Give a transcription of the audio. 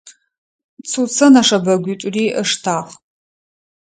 Цуцэ нэшэбэгуитӏури ыштагъ.